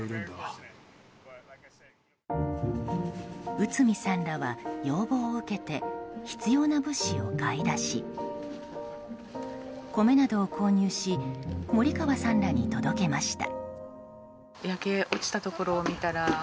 内海さんらは要望を受けて必要な物資を買い出し米などを購入しモリカワさんらに届けました。